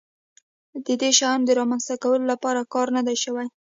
د دې شیانو د رامنځته کولو لپاره کار نه دی شوی.